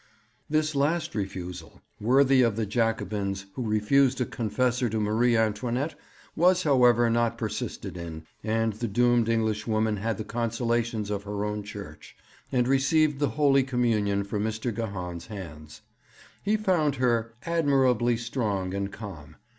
This last refusal, worthy of the Jacobins who refused a confessor to Marie Antoinette, was, however, not persisted in, and the doomed Englishwoman had the consolations of her own Church, and received the Holy Communion from Mr. Gahan's hands. He found her "admirably strong and calm."